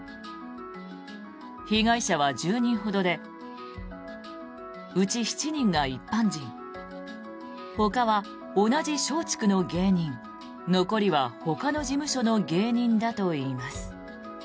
被害者は１０人ほどでうち７人が一般人ほかは同じ松竹の芸人残りはほかの事務所の芸人だといいます。